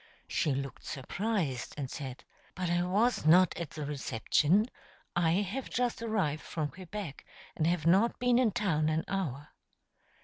She looked surprised, and said: "But I was not at the reception. I have just arrived from Quebec, and have not been in town an hour."